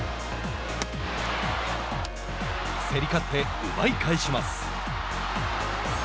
競り勝って奪い返します。